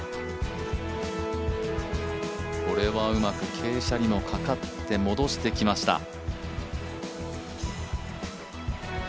これはうまく傾斜にもかかって戻してきました。